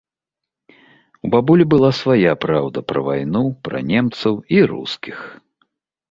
У бабулі была свая праўда пра вайну, пра немцаў і рускіх.